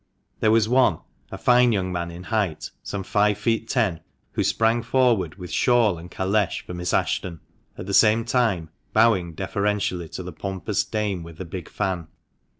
There was one — a fine young man, in height some five feet ten — who sprang forward with shawl and calesh for Miss Ashton, at the same time bowing deferentially to the pompous dame with the big fan.